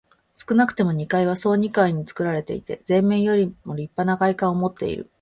少なくとも二階は総二階につくられていて、前面よりもりっぱな外観をもっている。